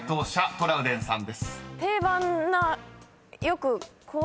［トラウデンさん］